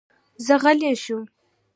زه غلی شوم.